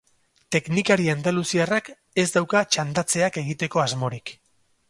Teknikari andaluziarrak ez dauka txandatzeak egiteko asmorik.